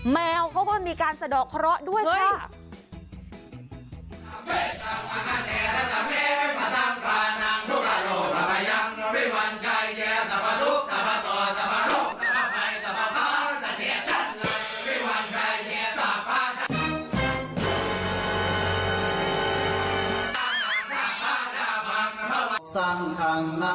แมวเขาก็มีการสะดอกเคราะห์ด้วยค่ะ